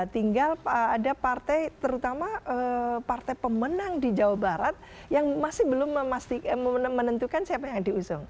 tinggal ada partai terutama partai pemenang di jawa barat yang masih belum menentukan siapa yang diusung